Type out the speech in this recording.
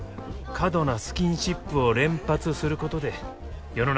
過度なスキンシップを連発することでドン！